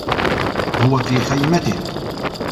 هو في خيمته.